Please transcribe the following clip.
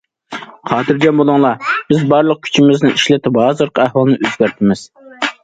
خاتىرجەم بولۇڭلار، بىز بارلىق كۈچىمىزنى ئىشلىتىپ ھازىرقى ئەھۋالنى ئۆزگەرتىمىز.